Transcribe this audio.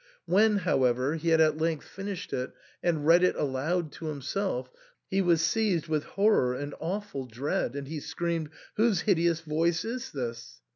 When, however, he had at length finished it and read it aloud to himself he was seized with horror and awful dread, and he screamed, "Whose hideous voice is this